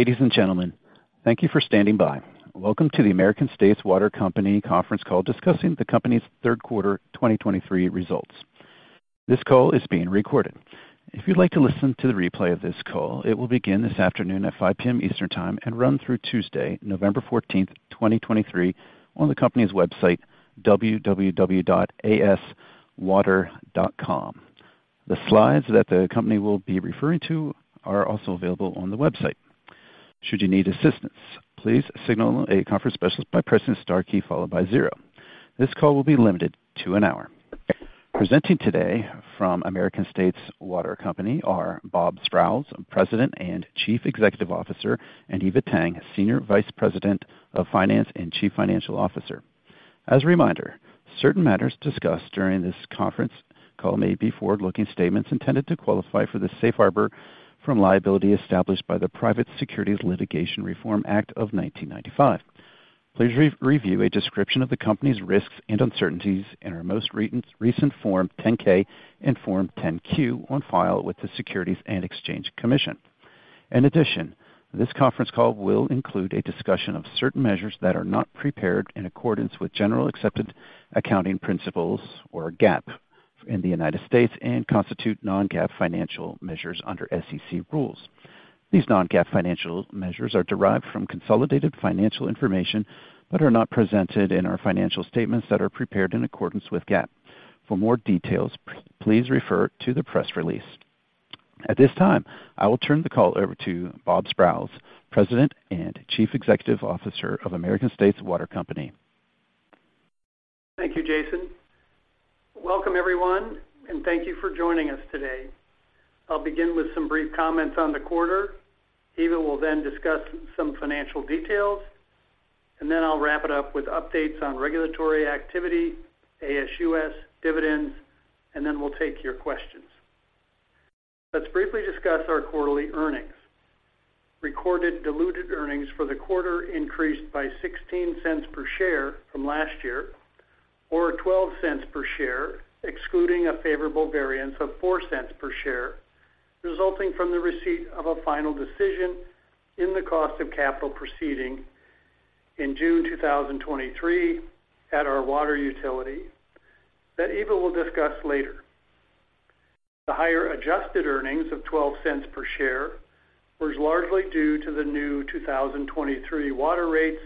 Ladies and gentlemen, thank you for standing by. Welcome to the American States Water Company conference call discussing the company's third quarter 2023 results. This call is being recorded. If you'd like to listen to the replay of this call, it will begin this afternoon at 5 P.M. Eastern Time and run through Tuesday, November 14th, 2023, on the company's website, www.aswater.com. The slides that the company will be referring to are also available on the website. Should you need assistance, please signal a conference specialist by pressing star key followed by zero. This call will be limited to an hour. Presenting today from American States Water Company are Bob Sprowls, President and Chief Executive Officer, and Eva Tang, Senior Vice President of Finance and Chief Financial Officer. As a reminder, certain matters discussed during this conference call may be forward-looking statements intended to qualify for the safe harbor from liability established by the Private Securities Litigation Reform Act of 1995. Please review a description of the company's risks and uncertainties in our most recent Form 10-K and Form 10-Q on file with the Securities and Exchange Commission. In addition, this conference call will include a discussion of certain measures that are not prepared in accordance with generally accepted accounting principles, or GAAP, in the United States and constitute non-GAAP financial measures under SEC rules. These non-GAAP financial measures are derived from consolidated financial information but are not presented in our financial statements that are prepared in accordance with GAAP. For more details, please refer to the press release.At this time, I will turn the call over to Bob Sprowls, President and Chief Executive Officer of American States Water Company. Thank you, Jason. Welcome, everyone, and thank you for joining us today. I'll begin with some brief comments on the quarter. Eva will then discuss some financial details, and then I'll wrap it up with updates on regulatory activity, ASUS dividends, and then we'll take your questions. Let's briefly discuss our quarterly earnings. Recorded diluted earnings for the quarter increased by $0.16 per share from last year, or $0.12 per share, excluding a favorable variance of $0.04 per share, resulting from the receipt of a final decision in the cost of capital proceeding in June 2023 at our water utility that Eva will discuss later. The higher adjusted earnings of $0.12 per share was largely due to the new 2023 water rates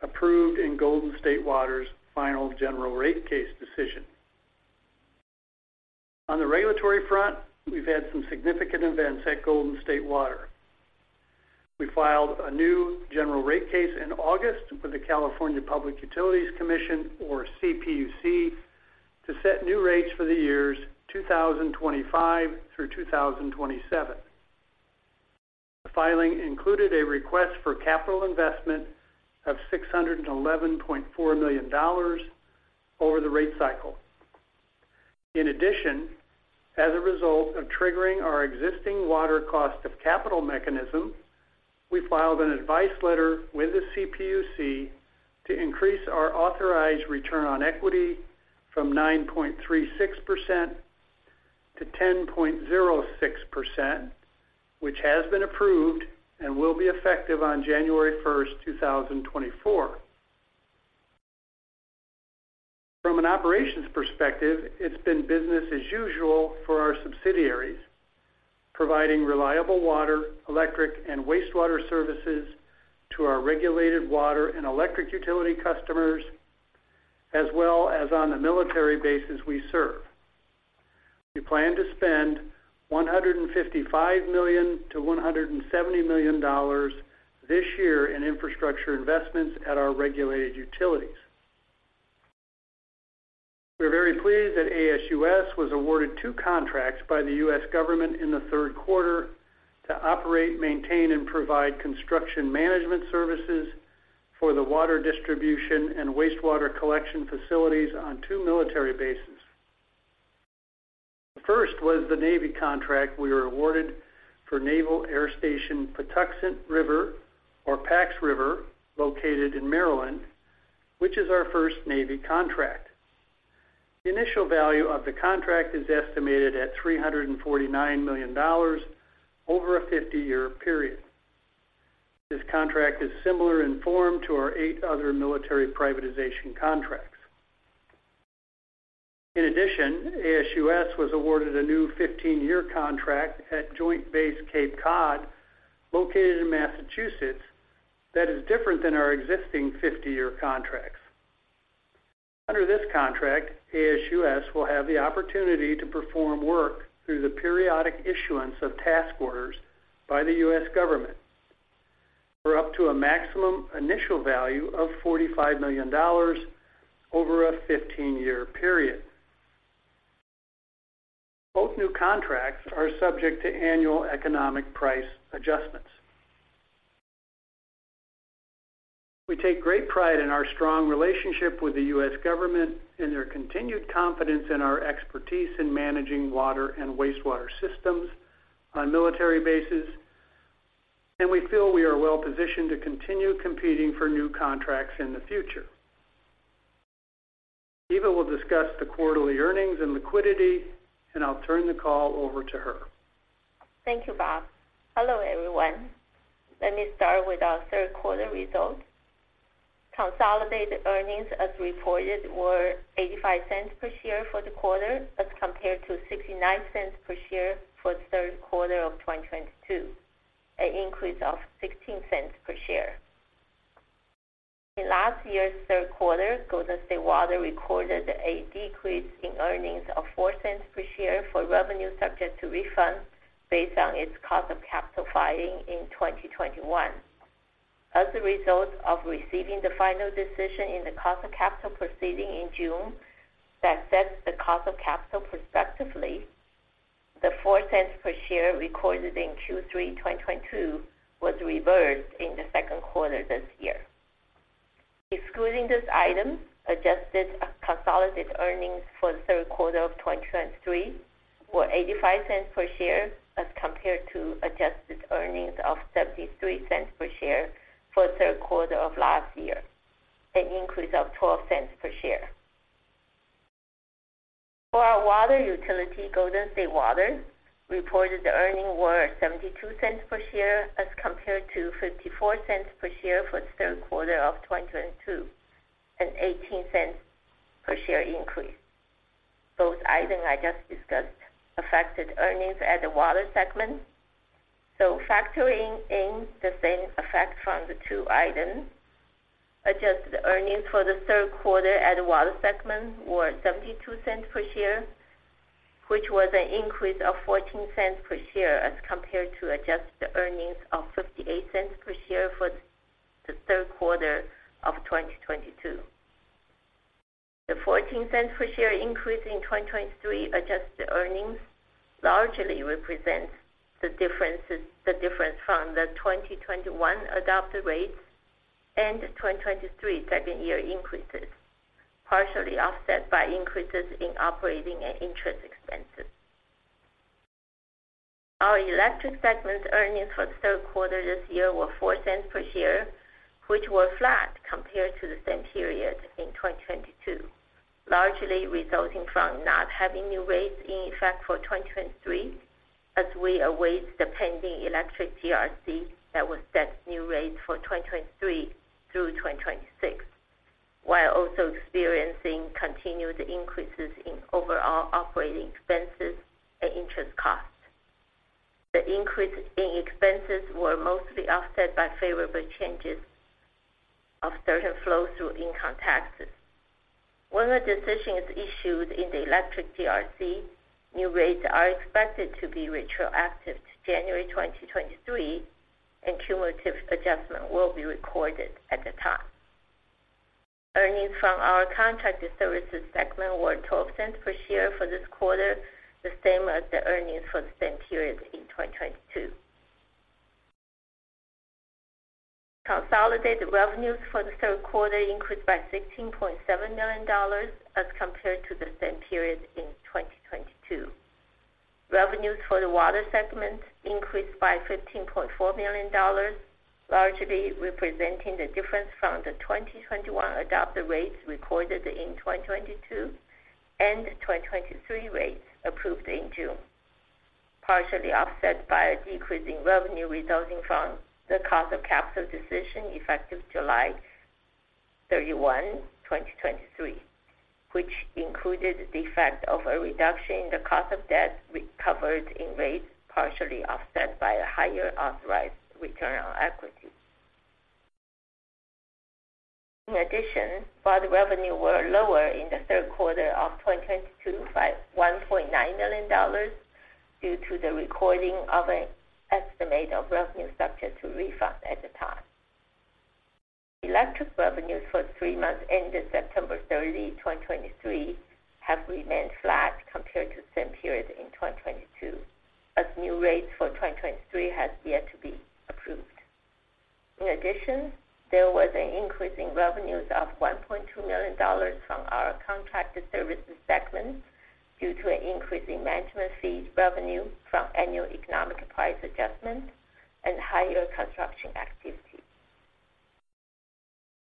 approved in Golden State Water's final general rate case decision. On the regulatory front, we've had some significant events at Golden State Water. We filed a new general rate case in August with the California Public Utilities Commission, or CPUC, to set new rates for the years 2025 through 2027. The filing included a request for capital investment of $611.4 million over the rate cycle. In addition, as a result of triggering our existing Water Cost of Capital Mechanism, we filed an advice letter with the CPUC to increase our authorized return on equity from 9.36% to 10.06%, which has been approved and will be effective on January 1st, 2024. From an operations perspective, it's been business as usual for our subsidiaries, providing reliable water, electric, and wastewater services to our regulated water and electric utility customers, as well as on the military bases we serve. We plan to spend $155 million-$170 million this year in infrastructure investments at our regulated utilities. We're very pleased that ASUS was awarded two contracts by the U.S. government in the third quarter to operate, maintain, and provide construction management services for the water distribution and wastewater collection facilities on two military bases. The first was the Navy contract we were awarded for Naval Air Station Patuxent River, or Pax River, located in Maryland, which is our first Navy contract. The initial value of the contract is estimated at $349 million over a 50-year period. This contract is similar in form to our eight other military privatization contracts. In addition, ASUS was awarded a new 15-year contract at Joint Base Cape Cod, located in Massachusetts, that is different than our existing 50-year contracts. Under this contract, ASUS will have the opportunity to perform work through the periodic issuance of task orders by the U.S. government for up to a maximum initial value of $45 million over a 15-year period. Both new contracts are subject to annual Economic Price Adjustments. We take great pride in our strong relationship with the U.S. government and their continued confidence in our expertise in managing water and wastewater systems on military bases, and we feel we are well-positioned to continue competing for new contracts in the future. Eva will discuss the quarterly earnings and liquidity, and I'll turn the call over to her. Thank you, Bob. Hello, everyone. Let me start with our third quarter results. Consolidated earnings, as reported, were $0.85 per share for the quarter as compared to $0.69 per share for the third quarter of 2022, an increase of $0.16 per share. In last year's third quarter, Golden State Water recorded a decrease in earnings of $0.04 per share for revenue subject to refunds based on its cost of capital filing in 2021. As a result of receiving the final decision in the cost of capital proceeding in June that sets the cost of capital prospectively, the $0.04 per share recorded in Q3 2022 was reversed in the second quarter this year. Excluding this item, adjusted consolidated earnings for the third quarter of 2023 were $0.85 per share, as compared to adjusted earnings of $0.73 per share for the third quarter of last year, an increase of $0.12 per share. For our water utility, Golden State Water reported the earnings were $0.72 per share as compared to $0.54 per share for the third quarter of 2022, an $0.18 per share increase. Both items I just discussed affected earnings at the water segment. So factoring in the same effect from the two items, adjusted earnings for the third quarter at the water segment were $0.72 per share, which was an increase of $0.14 per share, as compared to adjusted earnings of $0.58 per share for the third quarter of 2022. The $0.14 per share increase in 2023 adjusted earnings largely represents the differences, the difference from the 2021 adopted rates and 2023 second-year increases, partially offset by increases in operating and interest expenses. Our electric segment earnings for the third quarter this year were $0.04 per share, which were flat compared to the same period in 2022, largely resulting from not having new rates in effect for 2023, as we await the pending electric GRC that will set new rates for 2023 through 2026, while also experiencing continued increases in overall operating expenses and interest costs. The increase in expenses were mostly offset by favorable changes of certain flow-through income taxes. When a decision is issued in the electric GRC, new rates are expected to be retroactive to January 2023, and cumulative adjustment will be recorded at the time. Earnings from our contracted services segment were $0.12 per share for this quarter, the same as the earnings for the same period in 2022. Consolidated revenues for the third quarter increased by $16.7 million as compared to the same period in 2022. Revenues for the water segment increased by $15.4 million, largely representing the difference from the 2021 adopted rates recorded in 2022 and 2023 rates approved in June, partially offset by a decrease in revenue resulting from the cost of capital decision effective July 31, 2023, which included the effect of a reduction in the cost of debt recovered in rates, partially offset by a higher authorized return on equity. In addition, water revenue were lower in the third quarter of 2022 by $1.9 million due to the recording of an estimate of revenue subject to refunds at the time. Electric revenues for the three months ended September 30, 2023, have remained flat compared to the same period in 2022, as new rates for 2023 has yet to be approved. In addition, there was an increase in revenues of $1.2 million from our contracted services segment due to an increase in management fees revenue from annual Economic Price Adjustment and higher construction activity.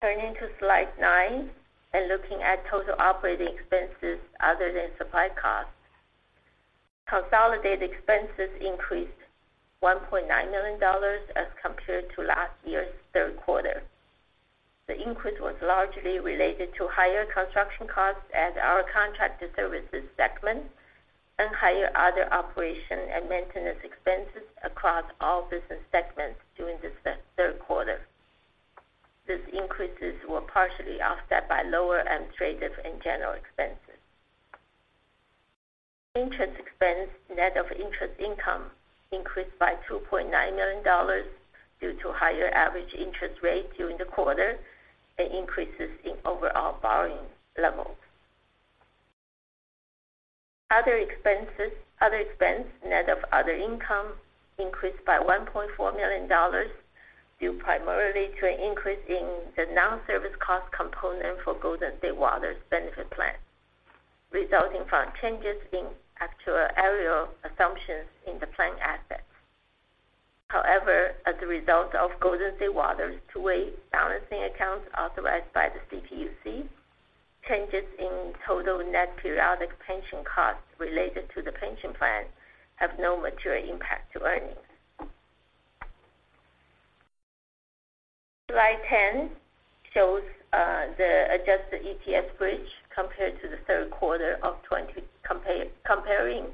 Turning to slide nine and looking at total operating expenses other than supply costs, consolidated expenses increased $1.9 million as compared to last year's third quarter. The increase was largely related to higher construction costs at our contracted services segment and higher other operation and maintenance expenses across all business segments during this third quarter. These increases were partially offset by lower administrative and general expenses. Interest expense, net of interest income, increased by $2.9 million due to higher average interest rates during the quarter and increases in overall borrowing levels. Other expenses, other expense, net of other income, increased by $1.4 million, due primarily to an increase in the non-service cost component for Golden State Water's benefit plan, resulting from changes in actuarial assumptions in the plan assets. However, as a result of Golden State Water's two-way balancing accounts authorized by the CPUC, changes in total net periodic pension costs related to the pension plan have no material impact to earnings. Slide 10 shows the adjusted EPS bridge compared to the third quarters of 2023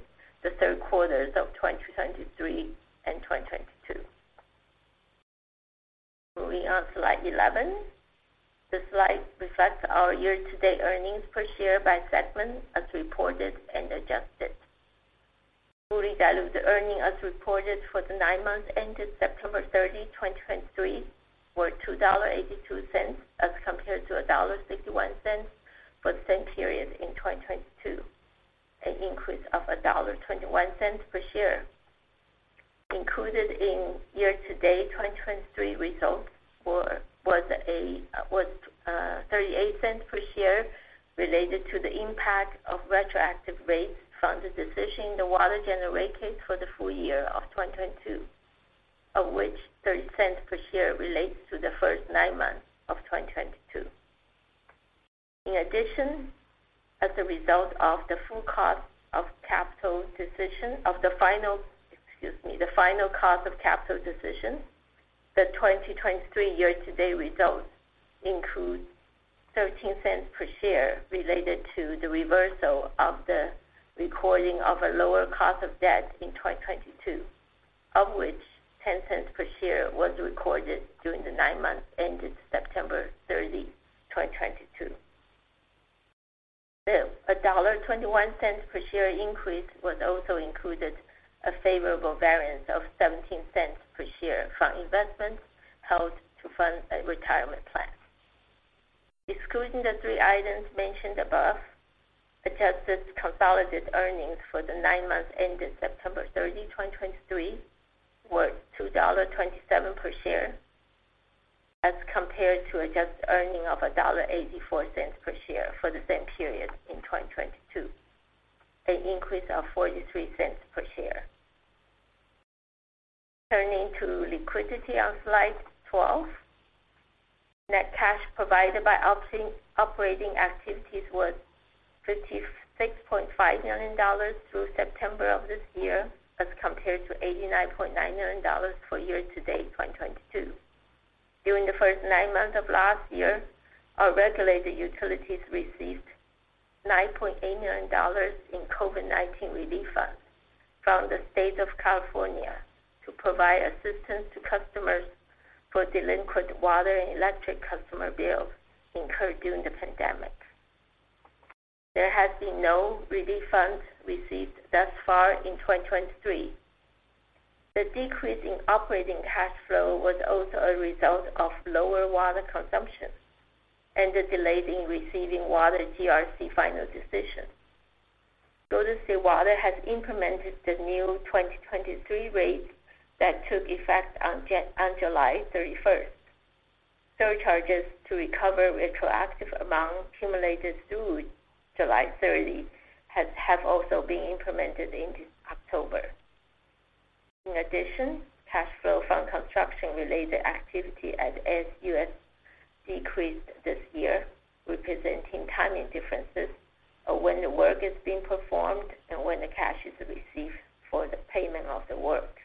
and 2022. Moving on slide 11. This slide reflects our year-to-date earnings per share by segment as reported and adjusted. Fully diluted earnings as reported for the nine months ended September 30, 2023, were $2.82, as compared to $1.61 for the same period in 2022, an increase of $1.21 per share. Included in year-to-date 2023 results were $0.38 per share related to the impact of retroactive rates from the decision in the Water General Rate Case for the full year of 2022, of which $0.30 per share relates to the first nine months of 2022. In addition, as a result of the full cost of capital decision, of the final, excuse me, the final cost of capital decision, the 2023 year-to-date results include $0.13 per share related to the reversal of the recording of a lower cost of debt in 2022, of which $0.10 per share was recorded during the nine months ended September 30, 2022. Still, a $1.21 per share increase was also included, a favorable variance of $0.17 per share from investments held to fund a retirement plan. Excluding the three items mentioned above, adjusted consolidated earnings for the nine months ended September 30, 2023, were $2.27 per share, as compared to adjusted earnings of $1.84 per share for the same period in 2022, an increase of $0.43 per share. Turning to liquidity on slide 12. Net cash provided by operating activities was $56.5 million through September of this year, as compared to $89.9 million for year-to-date 2022. During the first nine months of last year, our regulated utilities received $9.8 million in COVID-19 relief funds from the state of California to provide assistance to customers for delinquent water and electric customer bills incurred during the pandemic. There has been no relief funds received thus far in 2023. The decrease in operating cash flow was also a result of lower water consumption and the delay in receiving water GRC final decision. Golden State Water has implemented the new 2023 rates that took effect on July 31st. Surcharges to recover retroactive amounts accumulated through July 30 have also been implemented in October. In addition, cash flow from construction-related activity at ASUS decreased this year, representing timing differences of when the work is being performed and when the cash is received for the payment of the work.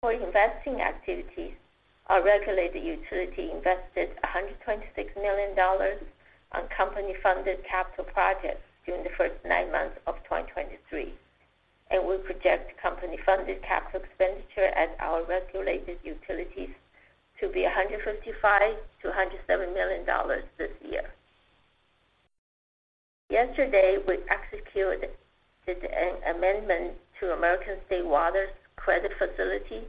For investing activities, our regulated utility invested $126 million on company-funded capital projects during the first nine months of 2023, and we project company-funded capital expenditure at our regulated utilities to be $155 million-$157 million this year. Yesterday, we executed an amendment to American States Water's credit facility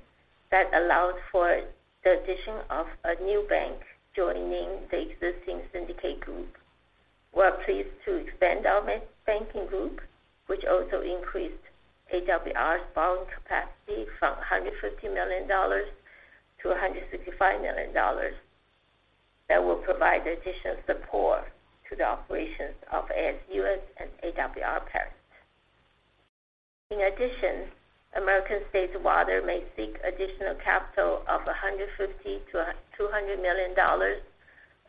that allows for the addition of a new bank joining the existing syndicate group. We are pleased to expand our banking group, which also increased AWR's borrowing capacity from $150 million to $165 million. That will provide additional support to the operations of ASUS and AWR parent. In addition, American States Water may seek additional capital of $150 million-$200 million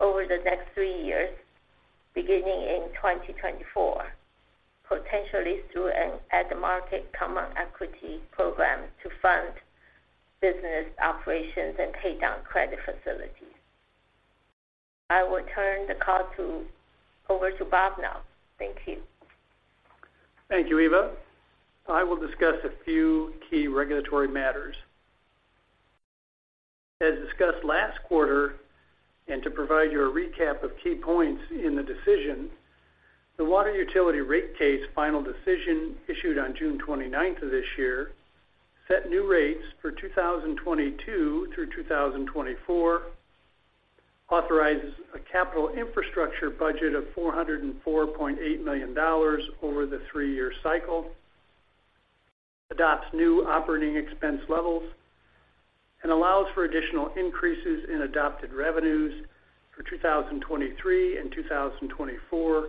over the next three years, beginning in 2024, potentially through an at-the-market common equity program to fund business operations and pay down credit facilities. I will turn the call over to Bob now. Thank you. Thank you, Eva. I will discuss a few key regulatory matters. As discussed last quarter, and to provide you a recap of key points in the decision, the water utility rate case final decision, issued on June 29th of this year, set new rates for 2022 through 2024, authorizes a capital infrastructure budget of $404.8 million over the three-year cycle, adopts new operating expense levels, and allows for additional increases in adopted revenues for 2023 and 2024,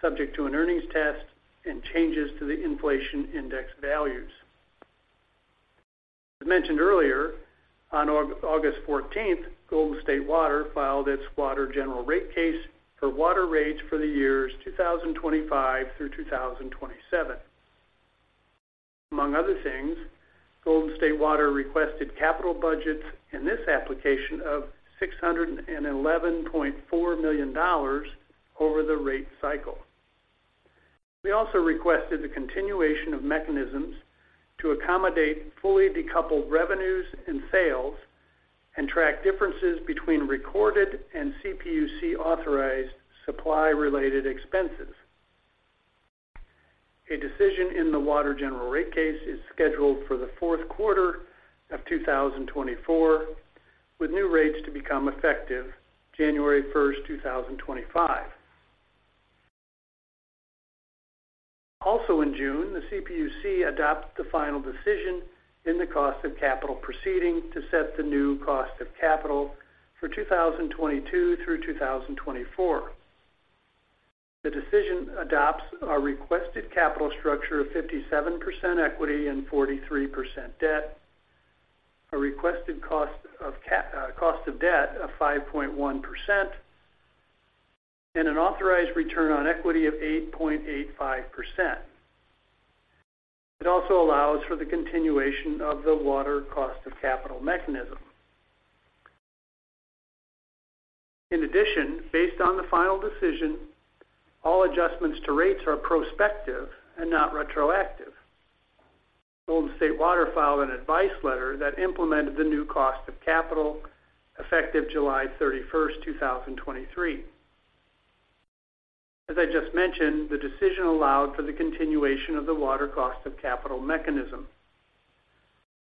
subject to an earnings test and changes to the inflation index values. As mentioned earlier, on August 14th, Golden State Water filed its Water General Rate Case for water rates for the years 2025 through 2027. Among other things, Golden State Water requested capital budgets in this application of $611.4 million over the rate cycle. We also requested the continuation of mechanisms to accommodate fully decoupled revenues and sales, and track differences between recorded and CPUC authorized supply-related expenses. A decision in the Water General Rate Case is scheduled for the fourth quarter of 2024, with new rates to become effective January 1st, 2025. Also in June, the CPUC adopted the final decision in the cost of capital proceeding to set the new cost of capital for 2022 through 2024. The decision adopts a requested capital structure of 57% equity and 43% debt, a requested cost of debt of 5.1%, and an authorized return on equity of 8.85%. It also allows for the continuation of the Water Cost of Capital Mechanism. In addition, based on the final decision, all adjustments to rates are prospective and not retroactive. Golden State Water filed an advice letter that implemented the new cost of capital, effective July 31st, 2023. As I just mentioned, the decision allowed for the continuation of the Water Cost of Capital Mechanism.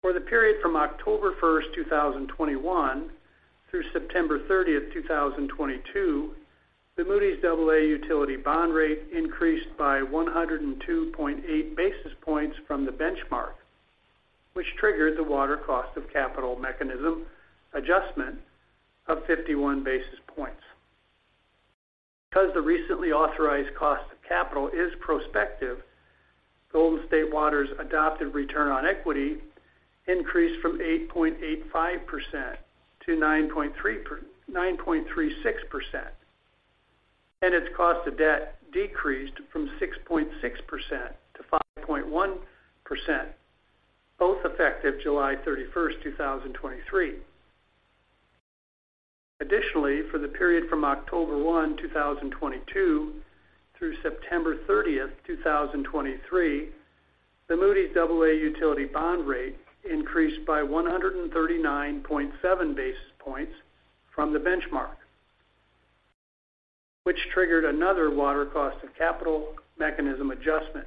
For the period from October 1st, 2021 through September 30th, 2022, the Moody's AA utility bond rate increased by 102.8 basis points from the benchmark, which triggered the Water Cost of Capital Mechanism adjustment of 51 basis points. Because the recently authorized cost of capital is prospective, Golden State Water's adopted return on equity increased from 8.85% to 9.36%, and its cost of debt decreased from 6.6% to 5.1%, both effective July 31st, 2023. Additionally, for the period from October 1, 2022 through September 30th, 2023, the Moody's AA utility bond rate increased by 139.7 basis points from the benchmark, which triggered another Water Cost of Capital Mechanism adjustment.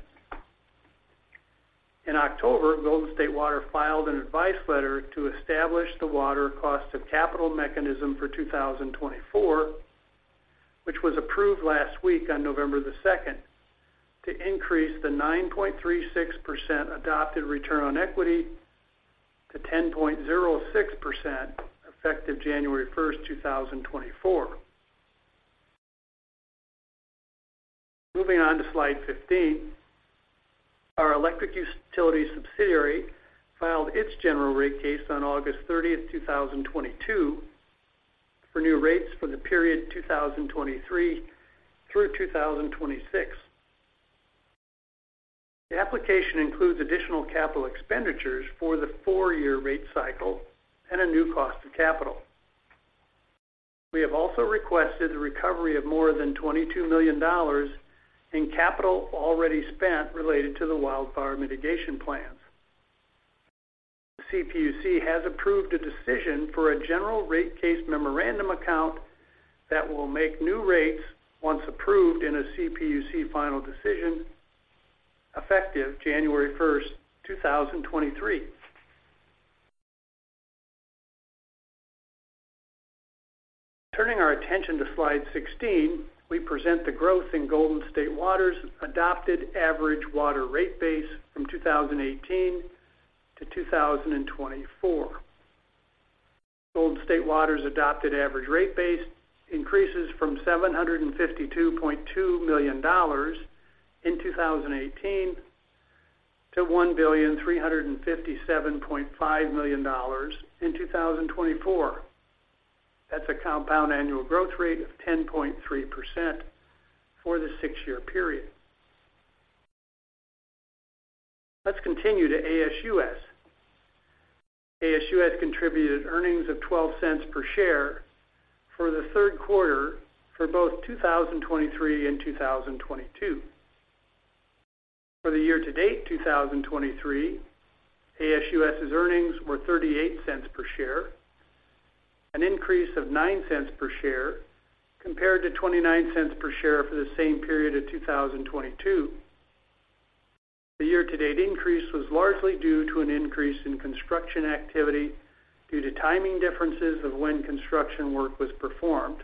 In October, Golden State Water filed an advice letter to establish the Water Cost of Capital Mechanism for 2024, which was approved last week on November 2nd, to increase the 9.36% adopted return on equity to 10.06%, effective January 1st, 2024. Moving on to slide 15. Our electric utility subsidiary filed its general rate case on August 30th, 2022, for new rates for the period 2023 through 2026. The application includes additional capital expenditures for the four-year rate cycle and a new cost of capital. We have also requested the recovery of more than $22 million in capital already spent related to the Wildfire Mitigation Plans. The CPUC has approved a decision for a general rate case memorandum account that will make new rates, once approved in a CPUC final decision, effective January 1st, 2023. Turning our attention to slide 16, we present the growth in Golden State Water's adopted average water rate base from 2018 to 2024. Golden State Water's adopted average rate base increases from $752.2 million in 2018 to $1,357.5 million in 2024. That's a compound annual growth rate of 10.3% for the six-year period. Let's continue to ASUS. ASUS contributed earnings of $0.12 per share for the third quarter for both 2023 and 2022. For the year-to-date 2023, ASUS's earnings were $0.38 per share, an increase of $0.09 per share compared to $0.29 per share for the same period of 2022. The year-to-date increase was largely due to an increase in construction activity due to timing differences of when construction work was performed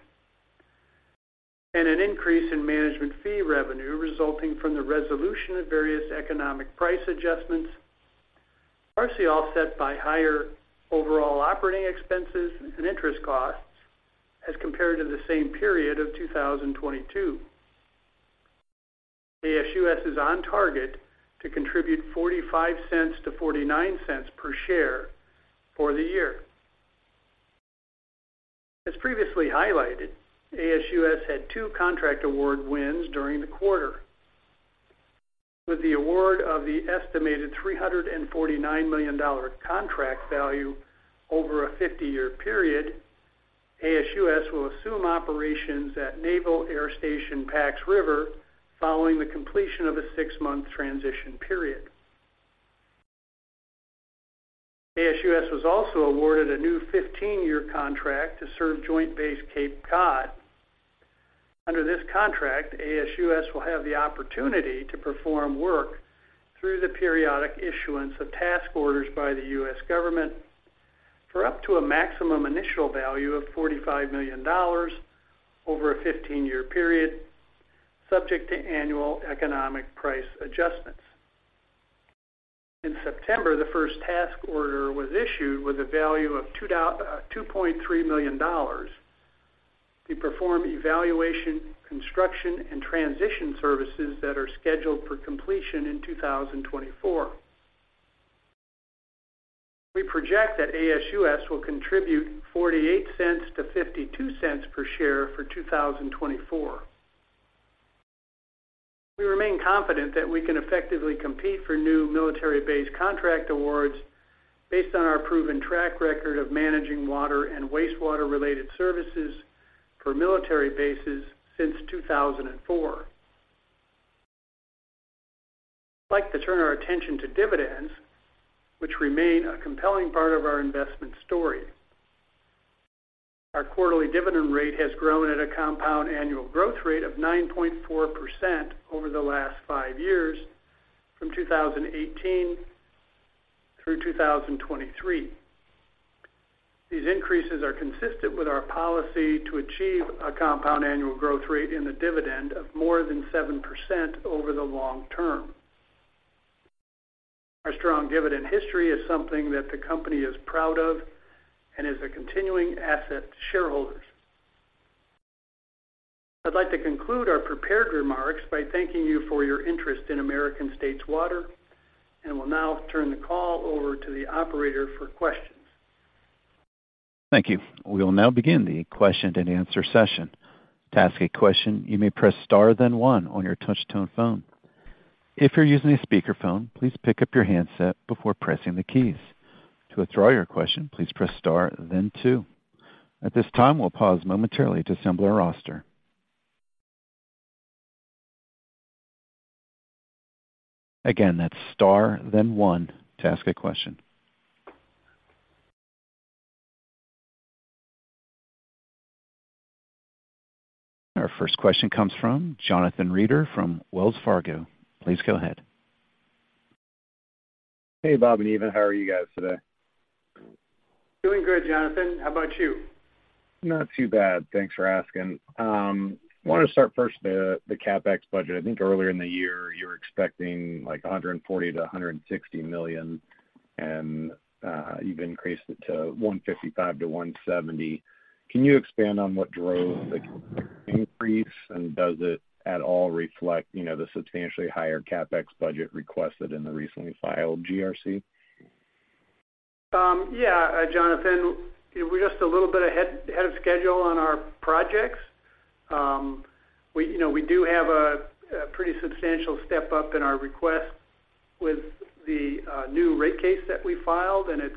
and an increase in management fee revenue resulting from the resolution of various Economic Price Adjustments, partially offset by higher overall operating expenses and interest costs as compared to the same period of 2022. ASUS is on target to contribute $0.45-$0.49 per share for the year. As previously highlighted, ASUS had two contract award wins during the quarter. With the award of the estimated $349 million contract value over a 50-year period, ASUS will assume operations at Naval Air Station Pax River following the completion of a six month transition period. ASUS was also awarded a new 15-year contract to serve Joint Base Cape Cod. Under this contract, ASUS will have the opportunity to perform work through the periodic issuance of task orders by the U.S. government for up to a maximum initial value of $45 million over a 15-year period, subject to annual Economic Price Adjustments. In September, the first task order was issued with a value of $2.3 million to perform evaluation, construction, and transition services that are scheduled for completion in 2024. We project that ASUS will contribute $0.48-$0.52 per share for 2024. We remain confident that we can effectively compete for new military-based contract awards based on our proven track record of managing water and wastewater-related services for military bases since 2004. I'd like to turn our attention to dividends, which remain a compelling part of our investment story. Our quarterly dividend rate has grown at a compound annual growth rate of 9.4% over the last five years, from 2018 through 2023. These increases are consistent with our policy to achieve a compound annual growth rate in the dividend of more than 7% over the long term. Our strong dividend history is something that the company is proud of and is a continuing asset to shareholders. I'd like to conclude our prepared remarks by thanking you for your interest in American States Water, and will now turn the call over to the operator for questions. Thank you. We will now begin the question-and-answer session. To ask a question, you may press star, then one on your touch-tone phone. If you're using a speakerphone, please pick up your handset before pressing the keys. To withdraw your question, please press star then two. At this time, we'll pause momentarily to assemble our roster. Again, that's star then one to ask a question. Our first question comes from Jonathan Reeder from Wells Fargo. Please go ahead. Hey, Bob and Eva, how are you guys today? Doing good, Jonathan. How about you? Not too bad. Thanks for asking. Wanted to start first with the CapEx budget. I think earlier in the year, you were expecting, like, $140 million-$160 million, and you've increased it to $155 million-$170 million. Can you expand on what drove the increase, and does it at all reflect, you know, the substantially higher CapEx budget requested in the recently filed GRC? Yeah, Jonathan, we're just a little bit ahead of schedule on our projects. You know, we do have a pretty substantial step-up in our request with the new rate case that we filed, and it's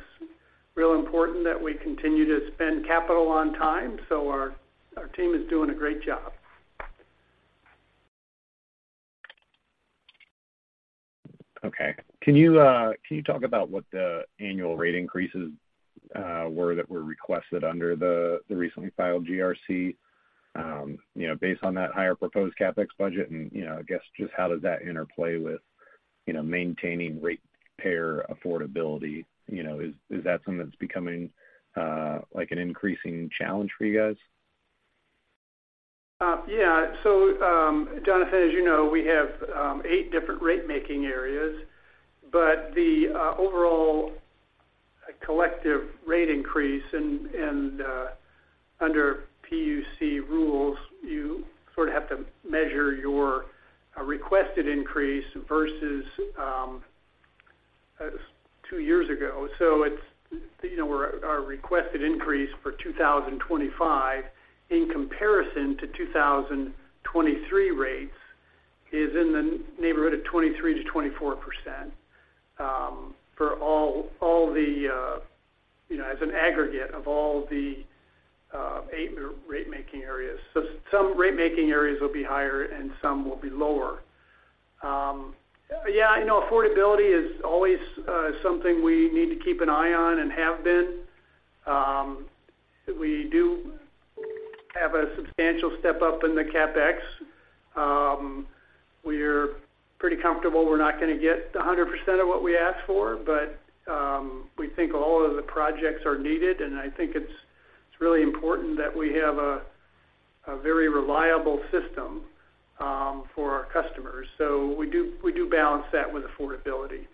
real important that we continue to spend capital on time, so our team is doing a great job. Okay. Can you, can you talk about what the annual rate increases were that were requested under the, the recently filed GRC, you know, based on that higher proposed CapEx budget? And, you know, I guess, just how does that interplay with, you know, maintaining ratepayer affordability? You know, is, is that something that's becoming, like, an increasing challenge for you guys? Yeah. So, Jonathan, as you know, we have eight different rate-making areas, but the overall collective rate increase and under PUC rules, you sort of have to measure your requested increase versus two years ago. So it's, you know, our requested increase for 2025 in comparison to 2023 rates is in the neighborhood of 23%-24%, for all, you know, as an aggregate of all the eight rate-making areas. So some rate-making areas will be higher and some will be lower. Yeah, I know affordability is always something we need to keep an eye on and have been. We do have a substantial step-up in the CapEx. We're pretty comfortable we're not gonna get 100% of what we ask for, but we think all of the projects are needed, and I think it's, it's really important that we have a, a very reliable system for our customers. So we do, we do balance that with affordability.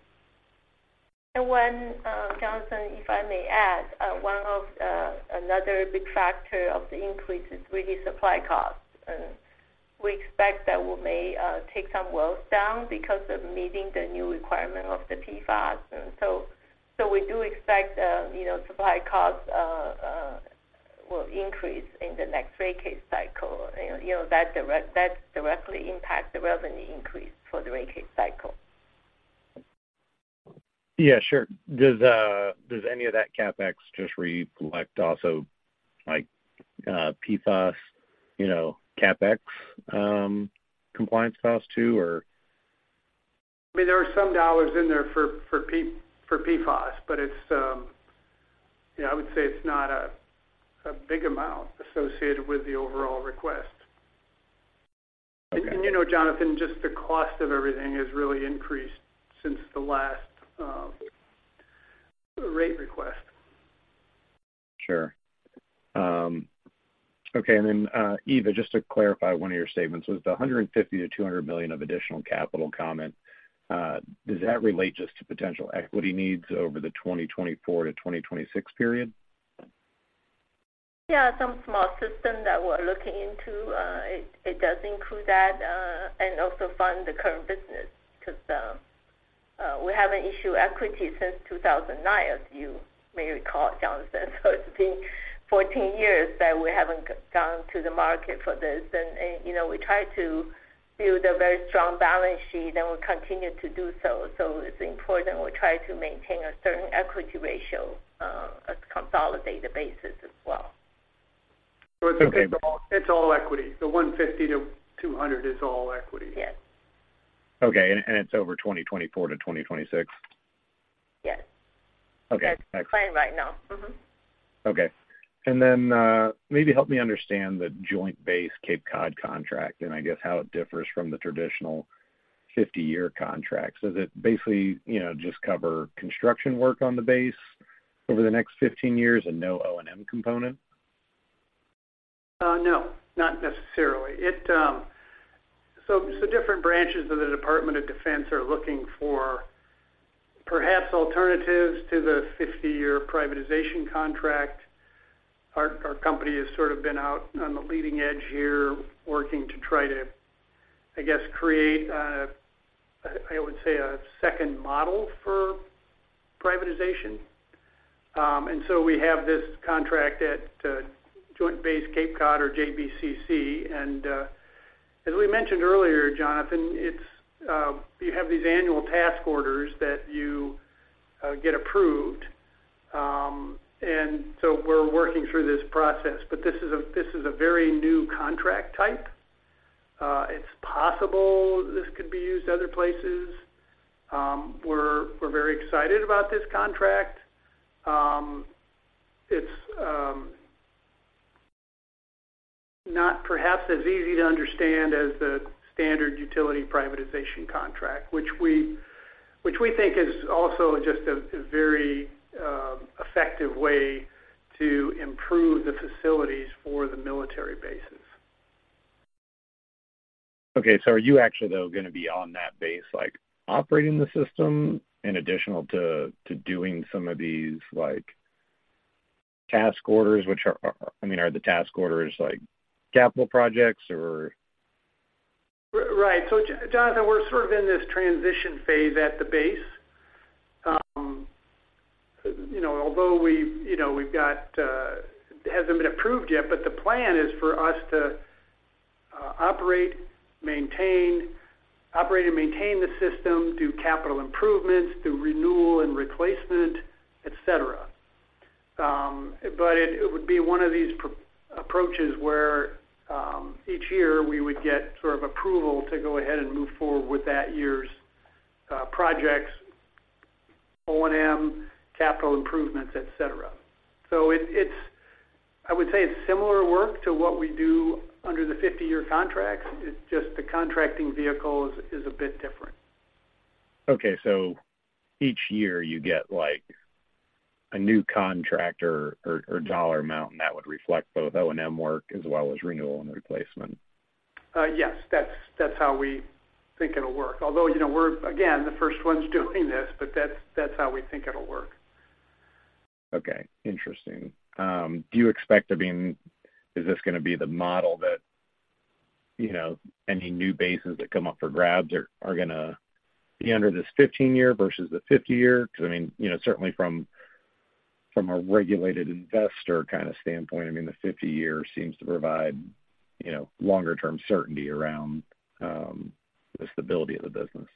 And one, Jonathan, if I may add, one of another big factor of the increase is really supply costs. And we expect that we may take some wells down because of meeting the new requirement of the PFAS. And so, so we do expect, you know, supply costs will increase in the next rate case cycle. And, you know, that directly impacts the revenue increase for the rate case cycle. Yeah, sure. Does any of that CapEx just reflect also, like, PFAS, you know, CapEx, compliance costs, too, or? I mean, there are some dollars in there for PFAS, but it's, you know, I would say it's not a big amount associated with the overall request. You know, Jonathan, just the cost of everything has really increased since the last rate request. Sure. Okay, and then, Eva, just to clarify one of your statements, was the $150 million-$200 million of additional capital comment, does that relate just to potential equity needs over the 2024-2026 period? Yeah, some small system that we're looking into, it does include that, and also fund the current business because we haven't issued equity since 2009, as you may recall, Jonathan. So it's been 14 years that we haven't gone to the market for this. And, you know, we try to build a very strong balance sheet, and we'll continue to do so. So it's important we try to maintain a certain equity ratio, at consolidated basis as well. Okay. It's all, it's all equity. The $150 million-$200 million is all equity. Yes. Okay, and it's over 2024-2026? Yes. Okay. As planned right now. Mm-hmm. Okay. And then, maybe help me understand the Joint Base Cape Cod contract, and I guess how it differs from the traditional 50-year contract. So does it basically, you know, just cover construction work on the base over the next 15 years and no O&M component? No, not necessarily. So, so different branches of the Department of Defense are looking for perhaps alternatives to the 50-year privatization contract. Our company has sort of been out on the leading edge here, working to try to, I guess, create a, I would say, a second model for privatization. And so we have this contract at Joint Base Cape Cod, or JBCC. And, as we mentioned earlier, Jonathan, it's you have these annual task orders that you get approved. And so we're working through this process, but this is a, this is a very new contract type. It's possible this could be used other places. We're very excited about this contract. It's not perhaps as easy to understand as the standard Utility Privatization contract, which we think is also just a very effective way to improve the facilities for the military bases. Okay. So are you actually, though, gonna be on that base, like, operating the system in addition to doing some of these, like, task orders, which are—I mean, are the task orders like capital projects or? Right. So, Jonathan, we're sort of in this transition phase at the base. You know, although we've got it hasn't been approved yet, but the plan is for us to operate and maintain the system, do capital improvements, do renewal and replacement, et cetera. But it would be one of these approaches where each year we would get sort of approval to go ahead and move forward with that year's projects, O&M, capital improvements, et cetera. So it's. I would say it's similar work to what we do under the 50-year contracts. It's just the contracting vehicle is a bit different. Okay. So each year you get, like, a new contract or dollar amount, and that would reflect both O&M work as well as renewal and replacement? Yes, that's, that's how we think it'll work. Although, you know, we're, again, the first ones doing this, but that's, that's how we think it'll work. Okay. Interesting. Do you expect there being— Is this gonna be the model that, you know, any new bases that come up for grabs are, are gonna be under this 15-year versus the 50-year? I mean, you know, certainly from, from a regulated investor kind of standpoint, I mean, the 50-year seems to provide, you know, longer-term certainty around the stability of the business.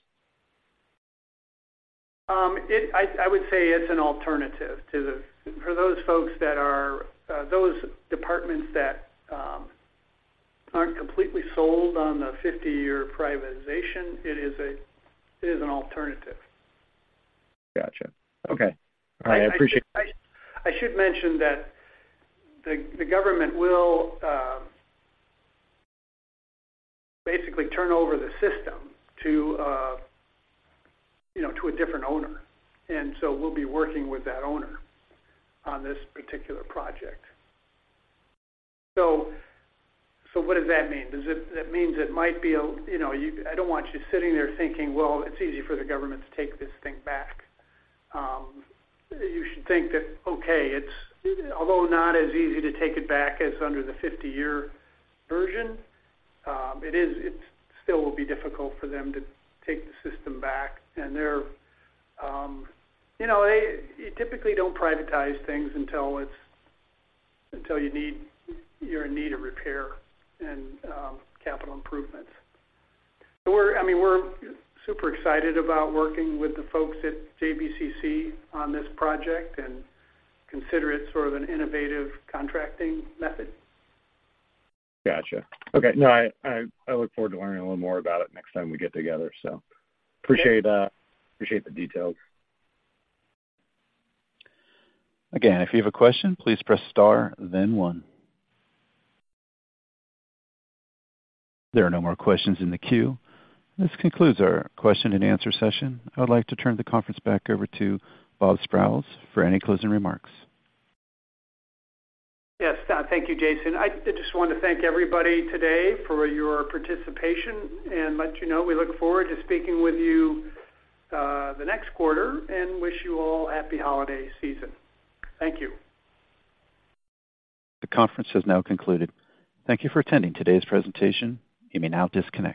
I would say it's an alternative to the... For those folks that are those departments that aren't completely sold on the 50-year privatization, it is a, it is an alternative. Gotcha. Okay. All right. I appreciate. I should mention that the government will basically turn over the system to a, you know, to a different owner, and so we'll be working with that owner on this particular project. So what does that mean? It means it might be a, you know, I don't want you sitting there thinking, "Well, it's easy for the government to take this thing back." You should think that, okay, it's although not as easy to take it back as under the 50-year version, it is, it still will be difficult for them to take the system back. And they're, you know, they, you typically don't privatize things until it's, until you need- you're in need of repair and capital improvements. We're, I mean, we're super excited about working with the folks at JBCC on this project and consider it sort of an innovative contracting method. Gotcha. Okay. No, I look forward to learning a little more about it next time we get together, so- Yeah. Appreciate, appreciate the details. Again, if you have a question, please press star, then one. There are no more questions in the queue. This concludes our question-and-answer session. I would like to turn the conference back over to Bob Sprowls for any closing remarks. Yes, thank you, Jason. I just want to thank everybody today for your participation and let you know we look forward to speaking with you, the next quarter, and wish you all happy holiday season. Thank you. The conference has now concluded. Thank you for attending today's presentation. You may now disconnect.